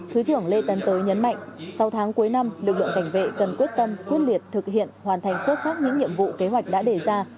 thứ trưởng lê tấn tới nhấn mạnh sau tháng cuối năm lực lượng cảnh vệ cần quyết tâm quyết liệt thực hiện hoàn thành xuất sắc những nhiệm vụ kế hoạch đã đề ra